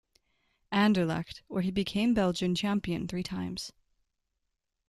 Anderlecht where he became Belgian champion three times.